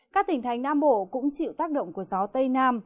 các tỉnh thành nam bộ cũng chịu tác động của gió tây nam